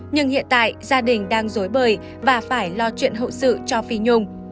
nhưng hiện tại gia đình đang dối bời và phải lo chuyện hậu sự cho phi nhung